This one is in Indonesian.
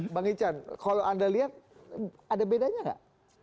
bang ican kalau anda lihat ada bedanya nggak